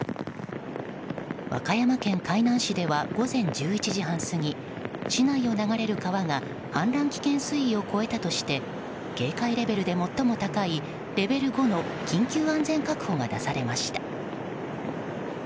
和歌山県海南市では午前１１時半過ぎ市内を流れる川が氾濫危険水位を超えたとして警戒レベルで最も高いレベル５の緊急安全確保が出されました。